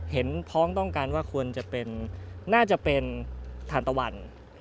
พ้องต้องกันว่าควรจะเป็นน่าจะเป็นทานตะวัน